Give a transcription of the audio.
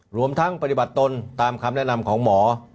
รวมทั้งปฏิบัติตนตามคำแนะนำของหมอ